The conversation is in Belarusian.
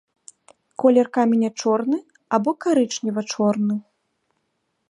Колер каменя чорны або карычнева-чорны.